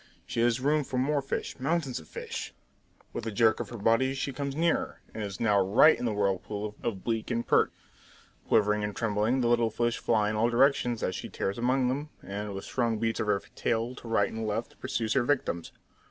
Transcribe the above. She has room for more fish, mountains of fish! With a jerk of her body she comes nearer, and is now right in the whirlpool of bleak and perch. Quivering and trembling, the little fish fly in all directions as she tears among them, and with strong beats of her tail to right and left pursues her victims.